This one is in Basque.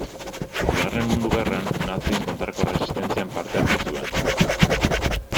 Bigarren Mundu Gerran nazien kontrako erresistentzian parte hartu zuen.